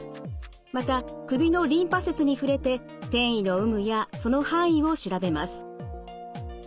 また首のリンパ節に触れて転移の有無やその範囲を調べます。